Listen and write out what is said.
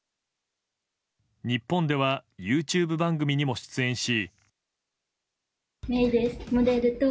日本ではＹｏｕＴｕｂｅ番組にも出演し。